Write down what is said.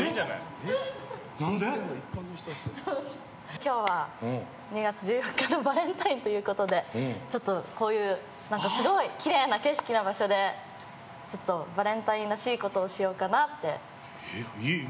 今日は２月１４日のバレンタインということですごいきれいな景色の場所でバレンタインらしいことをしようかなって。